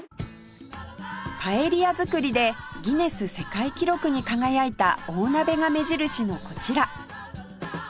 パエリア作りでギネス世界記録に輝いた大鍋が目印のこちら